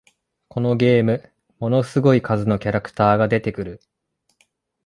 このゲーム、ものすごい数のキャラクターが出てくる